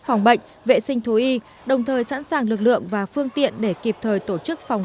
phòng bệnh vệ sinh thú y đồng thời sẵn sàng lực lượng và phương tiện để kịp thời tổ chức phòng